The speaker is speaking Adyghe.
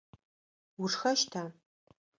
Ушхэщта?